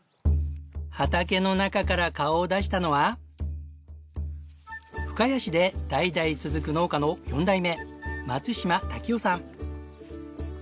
畑の中から顔を出したのは深谷市で代々続く農家の４代目松嶋多喜男さん。